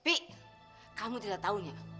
pi kamu tidak taunya